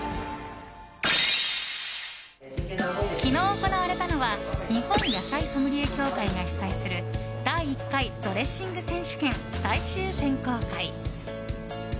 昨日、行われたのは日本野菜ソムリエ協会が主催する第１回ドレッシング選手権最終選考会。